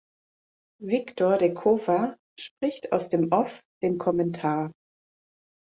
Viktor de Kowa spricht aus dem Off den Kommentar.